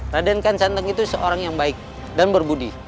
rade kian santang itu seorang yang baik dan berbudi